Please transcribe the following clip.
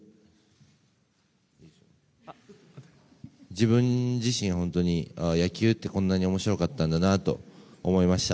自分自身、本当に野球ってこんなに面白かったんだなと思いました。